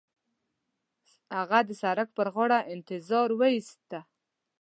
هغه د سړک پر غاړه انتظار وېسته.